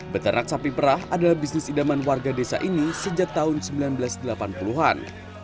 beternak sapi perah adalah bisnis idaman warga desa ini sejak tahun seribu sembilan ratus delapan puluh an